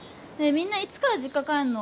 みんないつから実家帰んの？